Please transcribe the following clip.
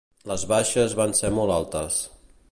Les baixes van ser molt altes.